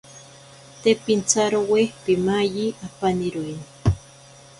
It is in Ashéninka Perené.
Te pintsarowe pimayi apaniroini.